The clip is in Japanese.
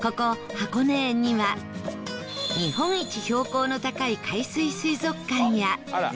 箱根園には日本一標高の高い海水水族館や